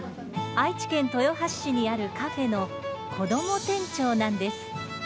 愛知県豊橋市にあるカフェの子ども店長なんです